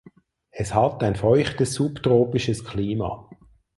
Es hat ein feuchtes subtropisches Klima.